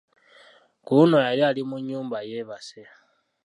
Ku luno yali ali mu nnyumba yeebase.